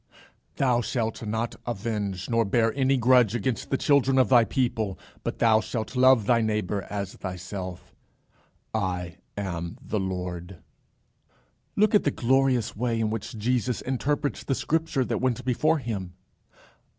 "Thou shalt not avenge, nor bear any grudge against the children of thy people, but thou shalt love thy neighbour as thyself: I am the Lord." Look at the glorious way in which Jesus interprets the scripture that went before him.